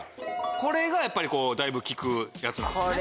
これがやっぱりだいぶ効くやつなんですね？